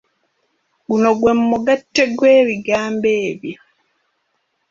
Guno gwe mugattte gw'ebigamba ebyo.